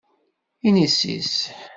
Inessis.